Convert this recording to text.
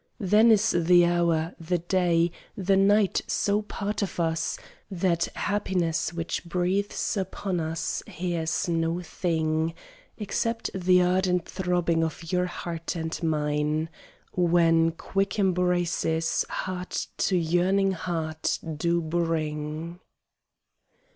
Then is the hour, the day, the night so part of us That happiness which breathes upon us hears no thing Except the ardent throbbing of your heart and mine When quick embraces heart to yearning heart do bring.